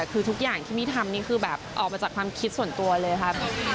คือทุกอย่างที่ไม่ทำนี่คือแบบออกมาจากความคิดส่วนตัวเลยค่ะ